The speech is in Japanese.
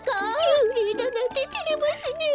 ゆうれいだなんててれますねえ。